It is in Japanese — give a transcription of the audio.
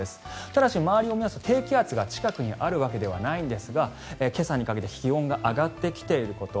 ただし周りを見ますと低気圧が近くにあるわけではないんですが今朝にかけて気温が上がってきていること